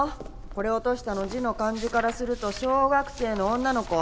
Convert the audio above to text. これ落としたの字の感じからすると小学生の女の子？